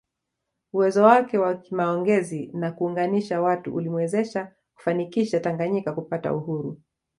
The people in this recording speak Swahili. Uwezo wake wa kimaongezi na kuunganisha watu ulimwezesha kufanikisha Tanganyika kupata uhuru